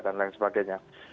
dan lain sebagainya